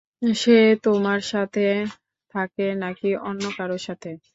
সে তোমার সাথে থাকে নাকি অন্য কারো সাথে।